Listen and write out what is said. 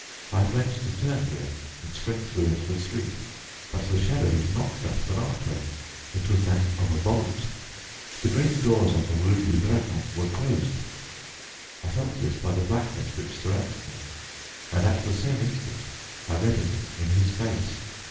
I had meant to turn here and spring through into the street. But the shadow was not that of an archway; it was that of a vault. The great doors on the Rue du Dragon were closed. I felt this by the blackness which surrounded me, and at the same instant I read it in his face.